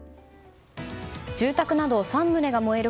住宅など３棟が燃える